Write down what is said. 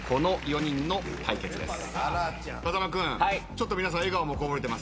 ちょっと皆さん笑顔もこぼれてますが。